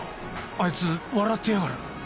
あいつ笑ってやがる。